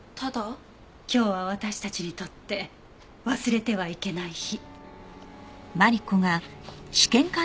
今日は私たちにとって忘れてはいけない日。